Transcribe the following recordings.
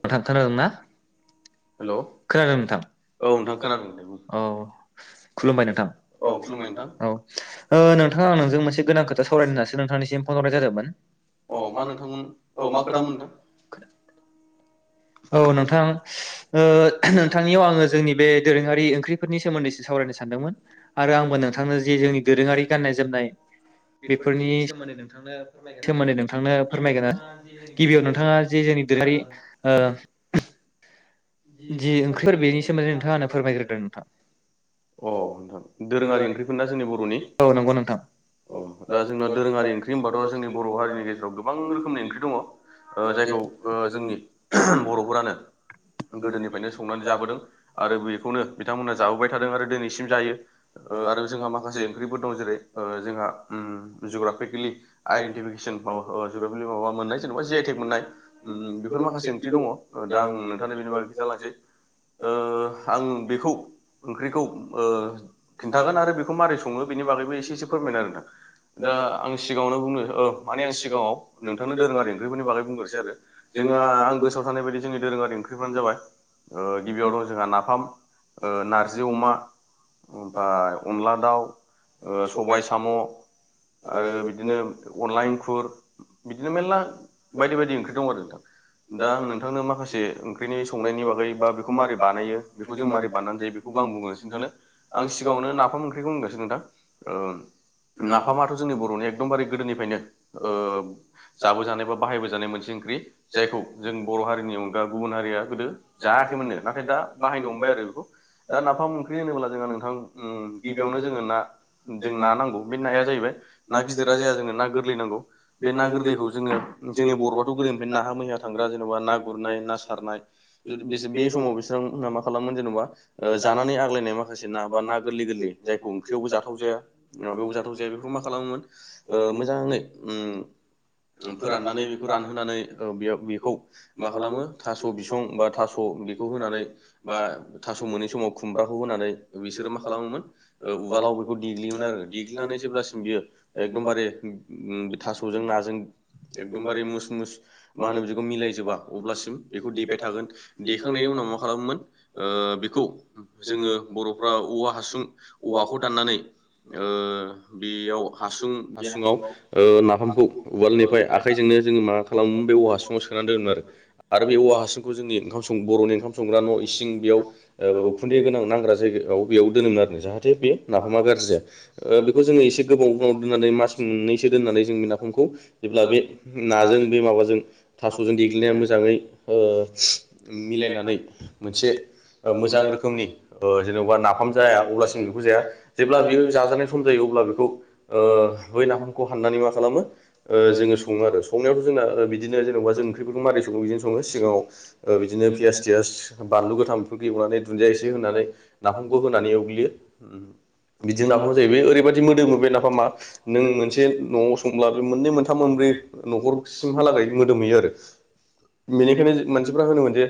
नोथां खोना दोंना [unintelligible] हेलौ, खोनादों नोंथां, औ नोंथां खोनादों औ खुलुमबाय नोंथां। औ खुलुमबाय नोंथां, औ ओ नोंथां आं नोंजों मोनसे गोनां खोथा सावरायनो होननासो नोंथांनिसिम फन हरनाय जादोंमोन। अ मानो औ मा खोथामोन नोंथां? औ नोंथां ओ नोंथांनियाव आङो जोंनि बे दोरोङारि ओंख्रिफोरनि सोमोन्दैसो सावरायनो सानदोंमोन। आरो आंबो जे जोंनि दोरोङारि गाननाय-जोमनाय बेफोरनि सोमोन्दै नोंथांनो फोरमायगोन आरो गिबियाव नोंथाङा जि जोंनि दोरोंआरि जि जोंनि दोरोङारि ओ जि ओंख्रिफोर बेनि सोमोन्दै नोंथाङा आंनो फोरमायग्रोदों नोंथां। औ दोरोंङारि ओंख्रिफोरा जोंनि, औ नंगौ नोंथां। अ दा जोंना दोरोङारि ओंख्रि होनबाथ' जोंनि बर' हारिनि गेजेराव गोबां रोखोमनि ओंख्रि दङ। ओ जायखौ ओ जोंनि बर'फोरानो गोदोनिफ्रायनो संनानै जाबोदों आरो बेखौनो बिथांमोनहा जाबोबाय थादों आरो दिनैसिम जायो। ओ आरो जोंहा माखासे ओंख्रिबो दं जेरै ओ जोंहा जुग्राफिकेलि आइडेन्टिफिकेसन माबा जुग्राफेलि माबा मोननाय जेनेबा जि आइ टेक मोननाय बेफोर माखासे ओंखथि दंङ। ओ दा आं नोंथांनि बेनि बागै खिथालांसै। ओ आं बेखौ ओंख्रिखौ ओ खिन्थागोन आरो बेखौ मारै सङो बेनि बागैबो एसे एसे फोरमायगोन आरोना। दा आं सिगाङावनो बुंनो ओ माने आं सिगाङाव नोंथांनो दोरोङारि ओंख्रिफोरनि बागै बुंग्रोसै आरो। जेनेबा आंखो सों सानाय बाय जोंनि दोरोङारि ओंख्रिफ्रानो जाबाय ओ गिबियाव दं जोंहा नाफाम ओ नारजि, अमा ओमफ्राय अनला, दाउ ओ सबाय, साम' आरो बिदिनो अनला इंखुर बिदिनो मेलला बायदि बायदि ओंख्रि दं आरो नोंथां दा आं नोंथांनो माखासें ओं ख्रिनि संनायनि बागै बा बेखौ मारै बानायो बेखौ जों मारोरै बनानै जायो बेखौबो बुंगासिनो नोंथांनो। आं सिगाङावनो नाफाम ओंख्रिखौ बुंगासिनो नोंथां। ओ नाफा माथो जोंनि बर'नि एकदमबारे गोदोनिफ्रायनो ओ जाबो जानाय बा बाहायबो जानाय मोनसे ओंख्रि जायखौ जों बर' हारिनि अनगा गुबुन हा गोदो जायाखैमोननो नाथाय दा बाहायनो हमबाय आरो बेखौ दा नाफाम ओंख्रि होनोब्ला जोंहा नोंथां उम गिबियावनो जोङो ना जों ना नांगौ बे नाया जाहैबाय ना गिदिरा जाया जोंङो ना गोरलै नांगौ बे ना गोरलैखौ जोङो जोंनि बर'आथ' गोदोनिफ्रायनो नाहा मैहा थांग्रा जेनेबा गुरनाय ना सा रनाय बे समाव बिसोर मा खालामगोन जेन'बा ओ जानानै आग्लायनाय मा खासे ना बा गोरलै गोरलै जायखौ ओंख्रियावबो जाथाव जाया माबायावबो जाथाव जाया बेखौ मा खालामोमोन ओ मोजाङै उम फोराननानै बेखौ रानहोनानै ओ बेयाव बेखौ मा खालामो थास' बिसं बा थास' बेखौ होनानै बा थास' मोनै समाव खुमब्राखौ होनानै बिसोरो मा खालामोमोन वालाव बेखौ देग्लियोमोन आरो देग्लिनानै जेब्लासिम बियो एकदमबारे उम थास'जों नाजों एकदमबारे मुस मुस माहोनो बेदिखौ मिलायजोबा अब्लासिम बेखौ देबाय थागोन देखांनायनि उनाव मा खालामोमोन ओ बेखौ जोङो बर'फ्रा औवा हासुं औवाखौ दाननानै ओ बेयाव हासुं हासुङाव ओ नाफामखौ उवालनिफ्राय आखाइजोंनो जोङो मा खालामोमोन बे औवा हासुङाव सोना दोनोमोन आरो। आरो बे औवा हाससिंखौ जोंनि ओंखाम सं बर'नि ओंखाम संग्रा न' इसिं बेयाव ओ उखुन्दै गोनां नांग्रा जायगायाव बेयाव दोनोमोन आरो जाहाथे बेयो नाफामा गाज्रिया बेखौ जोङो एसे गोबाव गोबाव दोननानै मास मोननैसो दोननानै जों बे नाफामखौ जेब्ला बे नाजों बे माबाजों थास'जों देग्लिना मोजाङै ओ मिलायनानै मोनसे मोजां रोखोमनि ओ जेन'बा नाफाम जाया अब्लासिम बेखौ जाया जेब्ला बियो जाजानाय सम जायो अब्ला बेखौ ओ बै नाफामखौ हाननानै मा खालामो ओ जोङो सङो आरो सनायावथ' जोंना बिदिनो जेन'बा जों ओंख्रिफोरखौ मादि सङो बिजोंनो सङो सिगाङाव बिदिनो पियास थियास बानलु गोथां बे एवनानै दुन्दिया एसे होनानै नाफामखौ होनानै एवग्लियो बिदिनो नाफाम जायो ओरैबायादि मोदोमो बे नाफामा नों मोनसे न'आव संब्ला बे मोननै मोनथाम मोनब्रै न'खरसिमहालागै मोदोमहैयो आरो बेनिखायनो मानसिफ्रा होनोमोन जे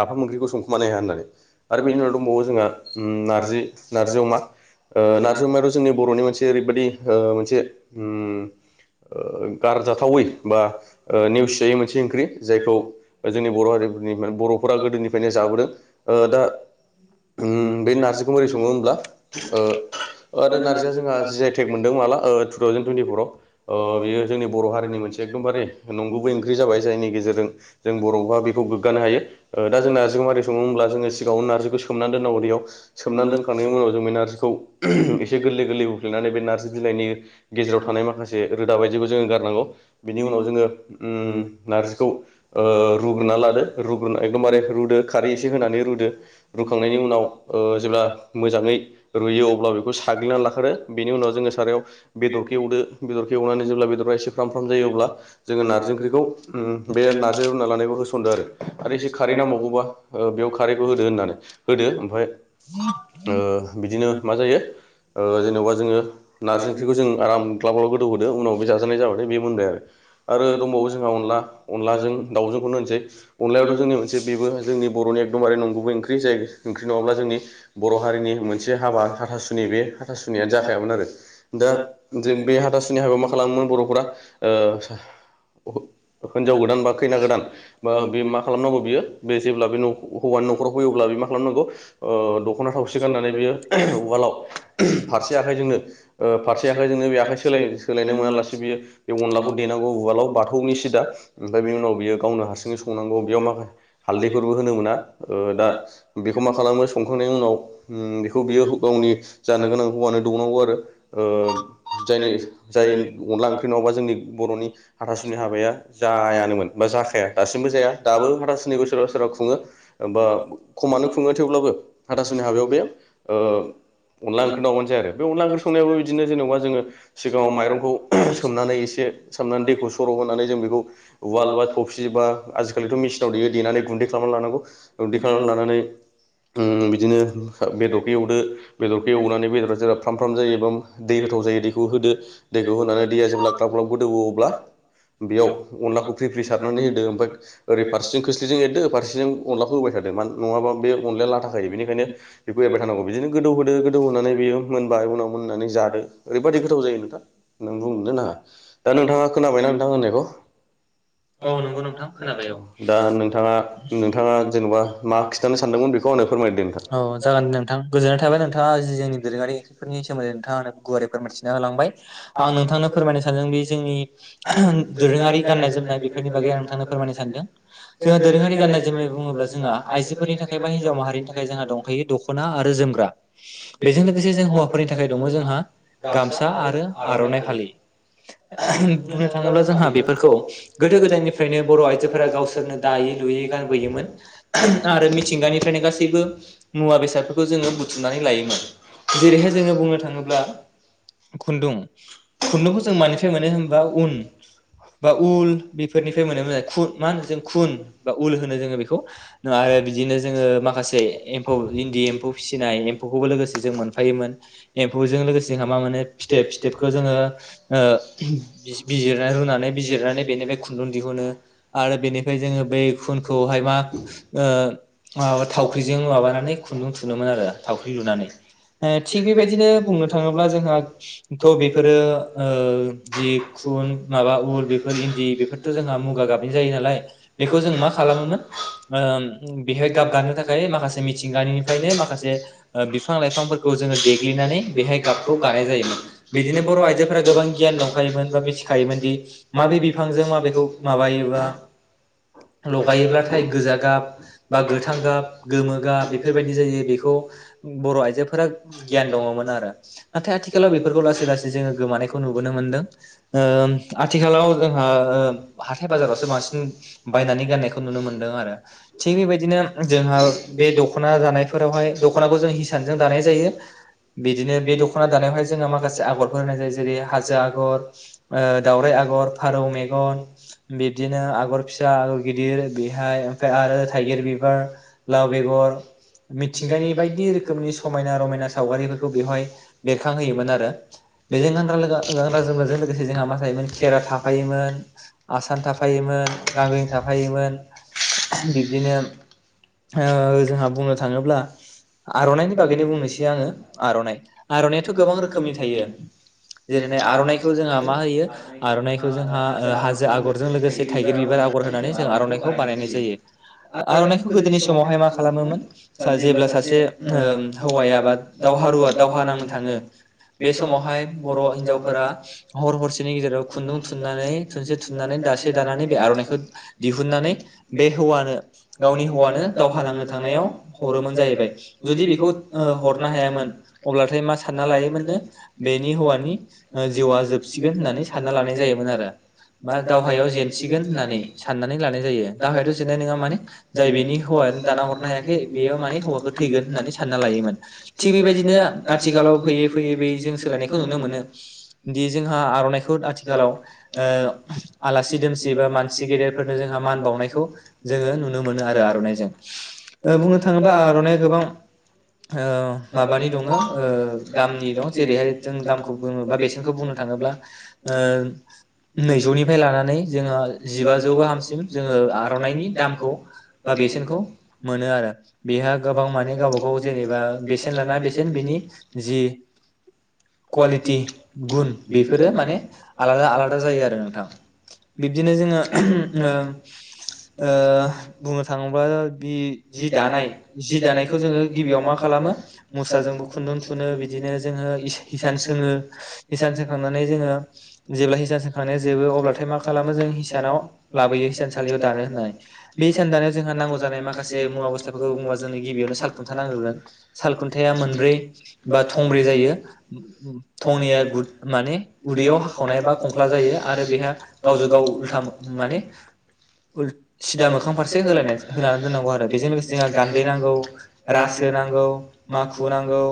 नाफाम ओंख्रिखौ संखुमानो हाया होननानै आरो बेनि उनाव दंबावो जोंहा नारजि नारजि अमा ओ नारजि अमायाथ' जोंनि बर'नि मोनसे ओरैबायाददि ओ मोनसे उम गारजाथावै बा नेवसिजायै मोनसे ओंख्रि जायखौ जोंनि बर' हारिफोरनि बर'फोरा गोदोनिफ्रायनो जाबोदों ओ दा उम बे नारजिखौ बोरै सङो होनब्ला ओ बे नारजिया जोंहा जि आइ टेग मोनदों माला ओ टु थावजेन टुइन्ति फराव ओ बियो जोंनि बर' हारिनि मोनसे एकदमबारे नंगुबै बे जाबाय जायनि गेजेर जों जों बर'हा बेखौ गोग्गानो हायो दा जों बर'फोरा बेखौ गोगानो हायो दा जोंना नारजिजों माबोरै सङनो होनब्ला जोङो सिगाङावनो नारजिखौ सोमनानै दोननांगौ दैयाव सोमनानै दोनखांनायनि उनाव जों बे नारजिखौ एसे गोरलै गोरलै होफ्लेनानै बे नारजि बिलाइनि गेजेराव थानाय माखासे रोदा बायदिबो जोङो गारनांगौ बिनि उनाव जोङो नारजिखौ ओ रुग्रोना लादो रुग्रोना खारै एसे होनानै रुदो रुखांनायनि उनाव ओ जेब्ला मोजाङै रुयो अब्ला बेखौ साग्लिना लाखाबाय बेनि उनाव जोङो सारायाव बेदरखो एवदो बेदरखो एवनानै जेब्ला बेदरा एसे फ्राम फ्राम जायो अब्ला जोङो नारजि ओंख्रिखौ बे नारजि रुना लानायफोरखौ होसनदो आरो एसे खारै नांबावगौबा बेयाव खारैखौ होदो होननानै होदो ओमफ्राय ओ बिदिनो मा जायो ओ जेनेबा जोङो नार्जि ओंख्रिखौ जों आराम ग्लाब ग्लाब गोदौ होदो उनाव बे जाजानाय जाबाथाय बे मोनबाय आरो दंबावो जोंहा अनला अनलाजों दाउजोंखौनो होनसै अनलायाथ' जोंनि मोनसे बेबो जोंनि बर'नि एकदमबारे नंगौबो ओंख्रि जाय ओंख्रि नङाब्ला जोंनि बर' हारिनि मोनसे हाबा हाथासुनि बे हाथासुनियानो जाखायामोन आरो दा जों बे हाथासुनि हाबायाव खालामोमोन बर'फोरा ओह हिनजाव गोदान बा खैना गोदान बा बे मा खालामनांगौ बियो बे जेब्ला बे हौवानि न'खराव फैयो अब्ला बे मा खालामनांगौ ओह दख'ना थावसि गाननानै बेयो अवालाव फारसे आखाइजोंनो फारसे आखाइजोंनो बे आखाइ सोलाय सोलायनो मोनालासे बियो बे अनलाखौ देनांगौ उवालाव बाथौनि सिदा ओमफ्राय बेनि उनाव बियो गावनो हारसिङै संनांगौ बेयाव माखासे हालदैफोरबो होनो मोना ओह दा बेखौ मा खालामो संखानाय उनाव उम बेखौ बियो गावनि जानो गोनां हौवानो दौनांगौ आरो [unintelligible] जायनि जाय अनला ओंख्रि नङाबा जोंनि बर'नि हाथासुनि हाबाया जायानोमोन बा जाखाया दासिमबो जाया दाबो हाथासनिखौ सोरबा सोरबा खुङो बा खमानो खुङो थेवब्लाबो हाथासुनि हाबायाव बे ओ अनला ओंख्रि नङाबानो जायो आरो बे अनला ओंख्रि संनायावाबो बिदिनो जेनेबा जोङो सिगाङाव माइरंखौ सोमनानै एसे सोमनानै दैखौ सर' होनानै जों बेखौ उवाल बा थफि बा आजिखालिथ' मेसिनाव देयो देनानै गुन्दै खालामनानै लानांगौ गुन्दै खालामनानै लानानै उम बिदिनो बेदरखौ एवदो बेदरखौ एवनानै बेदरा जेरा फ्राम फ्राम जायो एबा दै गोथाव जायो दैखौ होदो दैखौ होनानै दैया जेब्ला ग्लाब ग्लाब गोदौवो अब्ला बेयाव अनलाखौ फ्रि फ्रि सारनानै होदो ओमफ्राय ओरै फारसेजों खोस्लिजों एरदो फारसेजों अनलाखौ होबाय थादो माने नङाबा बे अनलाया लाथा खायो बेनिखायनो बेखौ एरबाय थानांगौ बिदिनो गोदौ होदो गोदौ होनानै बियो मोनबाय उनाव मोननानै जादो ओरैबायदि गोथाव जायो नोंथां नों बुंनोनो नाङा दा नोंथाङा खोनाबायना नोंथां? होननायखौ औ नंगौ नोंथां खोनाबाय औ औ जागोन दे नों नोंथां गोजोननाय थाबय नोंथाङा जि दोरोङारि ओख्रिफोरनि सोमोन्दै नोंथाङा आंनो गुवारै फोरमायथि नाहोलांबाय आं नोंथांनो फोरमायनो सानदोंदि जोंनि दोरोङारि गाननाय जोमनाय बेफोरनि बागै आं नोंथांनो फोरमायनो सानदों, जोङा दोरोङारि गाननाय जोमनाय बुङोब्ला जोंहा आइजोफोरनि थाखाय बा हिन्जाव माहारिनि थाखाय जोंहा दंखायो दख'ना आरो जोमग्रा। बेजों लोगोसे जों हौवा फोरनि थाखाय दङ जोंहा गमसा आरो आर'नाइ फालि ओहोम बुंनो थाङोब्ला जों जोंहा बेफोरखौ गोदो गोदायनिफ्रायनो बर' आइजोफोरा गावसोरनो दायै लुयै गानबोयोमोन। आरो मिथिंगानिफ्रायनो गासैबो मुवा बेसादफोरखौ जोङो बुथुमनानै लायोमोन। जेरैहाय जोङो बुंनो थाङोब्ला खुन्दुं खुन्दुंखौ जों मानिफ्राय मोनो होनबा उन बा उल बेफोरनिफ्राय मोनोमोन खुन मा होनो जों खुन बा उल होनो जोङो बेखौ आरो बिदिनो जोङो माखासे एम्फौ इन्दि एम्फौ फिसिनाय एम्फौखौबो लोगोसे जों मोनफायोमोन। एम्फौजों लोगोसे जोंहा मोनो फिथोब फिथोबखौ जोङो बिजिरनानै रुना बेनिफ्राय बिजिरनानै बेनिफ्राय खुन्दुं दिहुनो आरो बेनिफ्राय जोङो बै खुनखौहाय मा ओ मा थावख्रिजों माबानानै खुन्दुं थुनोमोन आरो थावख्रि लुनानै। ओ थिग बेबायदिनो बुंनो थाङोब्ला जोंहा थ' बेफोरो ओ जि खुन माबा उल बेफोर इन्दि बेफोरथ' जोंहा मुगा गाबनाय जायो नालाय बेखौ जों मा खालामोमोन ओम बेहाय गाबगानो थाखाय माखासे मिथिंगानिफ्रायनो माखासे ओ बिफां लाइफांफोर खौ जोङो देग्लिनानै बेहाय गाबखौ गानाय जायोमोन। बिदिनो बर' आइजोफोरा गोबां गियान दंखायोमोन बा मिथिखायोमोन दि माबे बिफांजों माबेखौ माबायोबा लगायोब्लाथाय गोजा गाब बा गोथां गाब गोमो गाब बेफोरबायदि जायो बेखौ बर' आइजोफोरा गियान दङमोन आरो नाथाय आथिखालाव बेफोरखौ लासै लासै जोङो गोमानायखौ नुबोनो मोनदों, ओ आथिखालाव जोंहा ओ हाथाय बाजारावसो बांसिन बायनानै गाननायखौ नुनो मोनदों आरो। थिग बेबायदिनो जोंहा बे दखना जानायफोरावहाय दखनाखौ जों हिसानजों दानाय जायो। बिदिनो बे दख'ना दानायावहाय जोङो माखासे आगरफोर होनाय जायो जेरै हाजो आगर ओ दावराय आगर फारौ मेगन बिबदिनो आगर फिसा आगर गिदिर बेहाय ओमफाय आरो थाइगिर बिबार लाव बेगर मिथिंगानि बायदि रोखोमनि समायना रमायना सावगारिफोरखौ बेवहाय बेरखांहोयोमोन आरो। बेजों गानग्रा लोंग्रा गानग्रा जोमग्राजों लोगोसे जोंहा मा थायोमोन खेरा थाफायोमोन, आसान थाफायोमोन गांग्रिं थाफायोमोन। बिब्दिनो ओ जोंहा बुंनो थाङोब्ला आर'नाइनि बागैनो बुंनोसै आङो आर'नाइ आर'नाइआथ' गोबां रोखोमनि थायो जेरैहाय आर'नाइखौ जोंहा मा होयो आर'नाइखौ जोंहा ओ हाजो आगरजों लोगोसे थाइगिर बिबार आगर होनानै जों आर'नाइखौ बानायनाय जायो। आर'नाइखौ गोदोनि समावहाय मा खालामोमोन सा जेब्ला सासे उम हौवाया बा दावहारुवा दावहा नांनो थाङो बे समावहाय बर' हिनजावफोरा हर हरसे गेजेराव खुन्दुं थुननानै थुनसे थुननानै दासे दानानै बे आर'नाइखौ दिहुननानै बे हौवानो गावनि हौवानो दावहा नांनो थांनायाव हरोमोन जाहैबाय। जुदि बेखौ ओ हरनो हायामोन अब्लाथाय मा सानना लायोमोननो बेनि हौवानि ओ जिउआ जोबसिगोन होननानै सानना लानाय जायोमोन आरो बा दावहायाव जेनसिगोन होननानै साननानै लानाय जायो दावहायाथ' जेननाय नङा माने जाय बेनि हौवानो दाना हरनो हायाखै बेयो माने हौवाखौ थैगोन होननानै सानना लायोमोन। थिग बेबायदिनो आथिखालाव फैयै फैयै फैयै जों सोलायनायखौ नुनो मोनो दि हा आर'नाइखौ आथिखालाव ओ आलासि दोमसि बा मानसि गेदेरफोरनो जोंहा मान बावनायखौ जोङो नुनो मोनो आरो आर'नाइजों ओ बुंनो थाङोब्ला आर'नाइया गोबां ओ माबानि दङ ओ दामनि दं जों दामखौ बुङो बा बेसेनखौ बुंनो थाङोब्ला ओ नैजौनिफ्राय लानानै जोङो जिबाजौ गाहामसिम जोङो आर'नाइनि दामखौ बा बेसेनखौ मोनो आरो बेहा गोबां माने गावबा गाव जेनेबा बेसेन लाना बेसेन बेनि जि कुवालिटि गुन बेफोरो माने आलादा आलादा जायो आरो नोंथां। बिब्दिनो जोङो ओ ओ बुंनो थाङोब्ला बि जि दानाय जि दानायखौ जोङो गिबियाव मा खालामो मुसाजोंबो खुन्दुं थुनो बिदिनो जों ओ‌ इसान सोङो इसान सों खांनानै जोङो जेब्ला हिसान सोखांनाया जोबो अब्लाथाय मा खालामो जों हिसानाव लाबोयो हिसानसालियाव दानो होननानै बे हिसान दानायाव जोंहा नांगौ जानाय माखासे मुवा बेसादफोरखौ बुङोबा जोंङो गिबियावनो साल खुन्था नांग्रोगोन सालखुन्थाया मोनब्रै बा थं ब्रै जायो थंनैया गुद माने उदैयाव हाखावनाय बा खंख्ला जायो आरो बेहा गावजों गाव उल्था माने उल सिदा मोखां फारसे होलायनाय होनानै दोननांगौ आरो बेजों लोगोसे जोंहा गान्दै नांगौ रासो नांगौ माखु नांगौ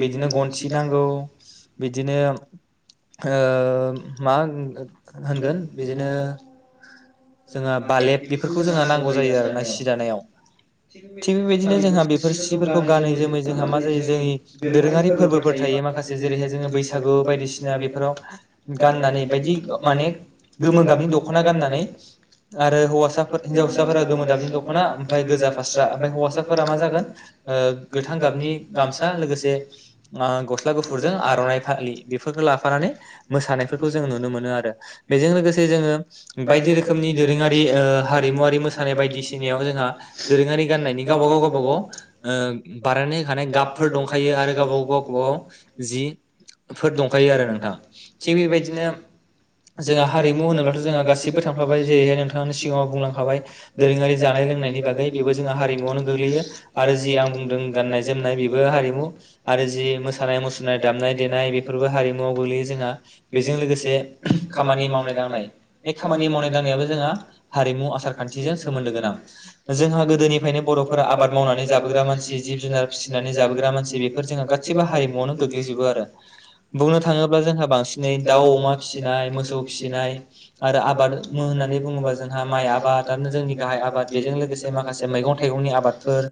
बिदिनो गनथि नांगौ बिदिनो ओ मा हो-होनगोन बिदिनो जोंहा बालेब बेफोरखौ जोंहा नांगौ जायो आरोना सि दानायाव थिग बेबायदिनो जोंहा बेफोर सिफोरखौ गानै जोमै जोंहा मा जायो जोंनि दोरोङारि फोरबोफोर थायो माखासे जेरैहाय जोङो बैसागु बायदिसि ना बेफोराव गाननानै बायदि माने गोमो गाबनि दख'ना गाननानै आरो हौवासाफोर हिनजावसाफोरा गोमो गाबनि दख'ना ओमफाय गोजा फास्रा ओमफाय हौवासाफोरा मा जागोन ओ गोथां गाबनि गामसा लोगोसे ओ गस्ला गुफुरजों आर'नाइ फालि बेफोर लाफानानै मोसानायफोरखौ जों नुनो मोनो आरो बेजों लोगोसे जोङो बायदि रोखोमनि दोरोङारि ओ हारिमुवारि मोसानाय बायदिसिनायाव जोंहा दोरोङारि गाननायनि गावबागाव गावबा गब ओ बारहोनो हानाय गाबफोर दं खायो आरो गावब गाव गाव गब गाव जिफोर दं खायो आरो नोंथाङ थिग बेबायदिनो जोंहा हारिमु होनोब्लाथ' जोंहा गासैबो थाफाबाय जेरैहाय नोंथांनि सिगाङाव बुंलांखाबाय। दोरोङारि जानाय लोंनायनि बागै बेबो जोंहा हारिमुवनो गोग्लैयो आरो जि आं बुंदों गाननाय जोमनाय बेबो हारिमु आरो जि मोसानाय मुसुरनाय दामनाय देनाय बे बो हारिमुाव गोग्लैयो जोंहा बेजों लोगोसे खामानि मावनाय दांनाय बे खामानि मावनाय दांनायाबो जोंहा हारिमु आसार खान्थिजों सोमोन्दो गोनां जोंहा गोदोनिफ्रायनो बर' फोरा आबाद मावनानै जाबोग्रा मानसि जिब जुनार फिसिनानै जाबोग्रा मानसि। बेफोर जोंहा गासिबो हारिमुावनो गोग्लैजोबो आरो। बुंनो थाङोब्ला जोंहा बांसिनै दाउ अमा फिसिनाय मोसौ फिसिनाय आरो आबाद। [unintelligible] होननानै बुङोबा जोंहा माइ आबाद आनो जोंनि गाहाय आबाद बेजों लोगोसे माखासे मैगं थाइगंनि आबादफोर